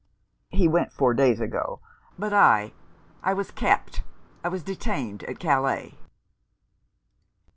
'He went four days ago; but I I was kept I was detained at Calais.'